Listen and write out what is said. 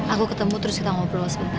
aku ketemu terus kita ngobrol sebentar